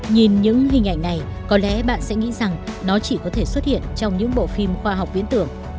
nhìn những hình ảnh này có lẽ bạn sẽ nghĩ rằng nó chỉ có thể xuất hiện trong những bộ phim khoa học biến tưởng